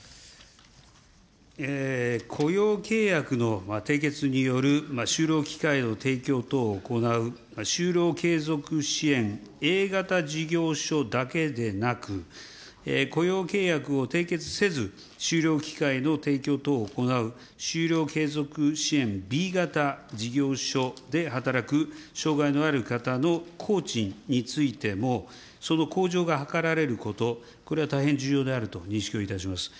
雇用契約の締結による就労機会の提供等を行う就労継続支援Ａ型事業所だけでなく、雇用契約を締結せず、就労機会の提供等を行う、就労継続支援Ｂ型事業所で働く障害のある方の工賃についても、その向上が図られること、これは大変重要であると認識をいたします。